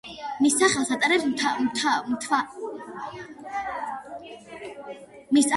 მის სახელს ატარებს მთვარის კრატერი არენიუსი და სტოკჰოლმის უნივერსიტეტის კვლევითი ლაბორატორიების ჯგუფი.